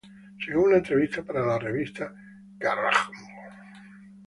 Según una entrevista para la revista Kerrang!